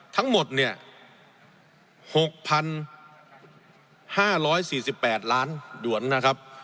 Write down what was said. ทั้งหมดเนี่ยหกพันห้าร้อยสี่สิบแปดล้านหยวนนะครับ